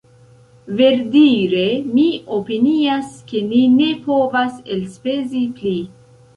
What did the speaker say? Verdire mi opinias ke ni ne povas elspezi pli.